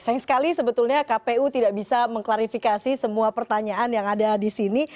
sayang sekali sebetulnya kpu tidak bisa mengklarifikasi semua pertanyaan yang ada di sini